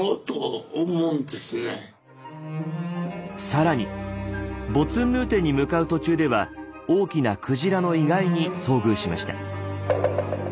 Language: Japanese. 更にボツンヌーテンに向かう途中では大きなクジラの遺骸に遭遇しました。